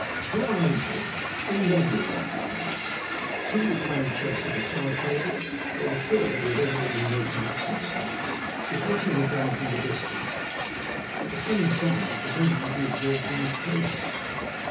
When I entered three men were in occupation. Two were playing chess at a side table, while the third, who had evidently no connection with them, was watching the game from a distance, at the same time pretending to be absorbed in his paper.